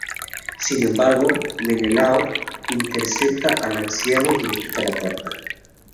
Sin embargo Menelao intercepta al anciano y le quita la carta.